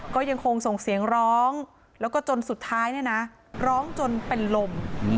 ก็ยังคงส่งเสียงร้องแล้วก็จนสุดท้ายเนี่ยนะร้องจนเป็นลม